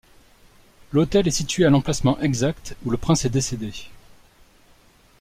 L'autel est situé à l'emplacement exact où le prince est décédé.